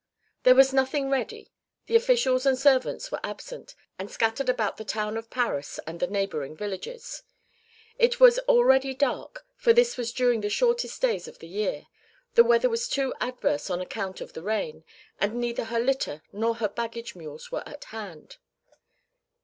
There was nothing ready, the officials and servants were absent, and scattered about the town of Paris and the neighbouring villages. It was already dark, for this was during the shortest days of the year, the weather too was adverse on account of the rain, and neither her litter nor her baggage mules were at hand.